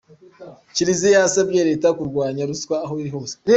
Kiliziya yasabye Leta kurwanya ruswa aho iri hose